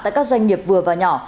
tại các doanh nghiệp vừa và nhỏ